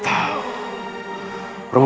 apakah guru akan berhasil